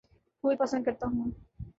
پھول پسند کرتا ہوں